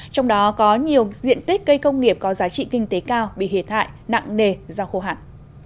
trong đó có nhiều diện tích cây công nghiệp có giá trị kinh tế cao bị thiệt hại nặng nề do khô hạn